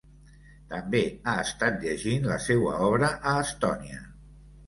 També ha estat llegint la seua obra a Estònia.